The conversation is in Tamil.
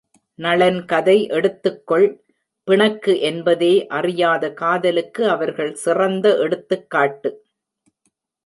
நளன் கதை எடுத்துக் கொள் பிணக்கு என்பதே அறியாத காதலுக்கு அவர்கள் சிறந்த எடுத்துக் காட்டு.